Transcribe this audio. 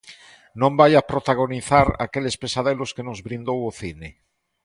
Non vaia protagonizar aqueles pesadelos que nos brindou o cine...